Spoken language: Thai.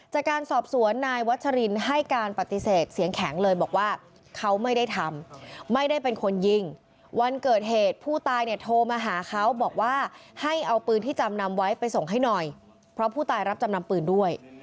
จากการสอบสวนนายวัชรินให้การปฏิเสธเสียงแข็งเลยบอกว่าเขาไม่ได้ทำไม่ได้เป็นคนยิงวันเกิดเหตุผู้ตายเนี่ยโทรมาหาเขาบอกว่าให้เอาปืนที่จำนำไว้ไปส่งให้หน่อยเพราะผู้ตายรับจำนำปืนด้วย